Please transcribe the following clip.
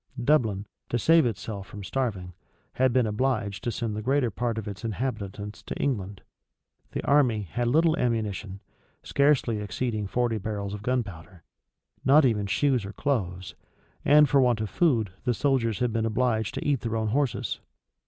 Dublin, to save itself from starving, had been obliged to send the greater part of its inhabitants to England. The army had little ammunition, scarcely exceeding forty barrels of gunpowder; not even shoes or clothes; and for want of food, the soldiers had been obliged to eat their own horses.